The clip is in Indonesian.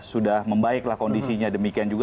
sudah membaiklah kondisinya demikian juga